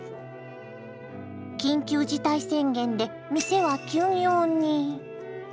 緊急事態宣言で店は休業に。